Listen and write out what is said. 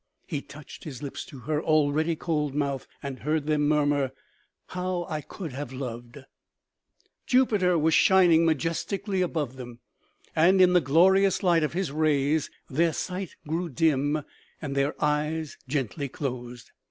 He touched his lips to her already cold mouth, and heard them murmur :" How I could have loved !" Jupiter was shining majestically above them, and in the glorious light of his rays their sight grew dim and their eyes gently closed.